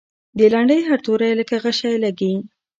د لنډۍ هر توری لکه غشی لګي.